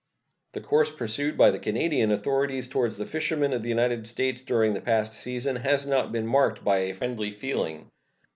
The course pursued by the Canadian authorities toward the fishermen of the United States during the past season has not been marked by a friendly feeling.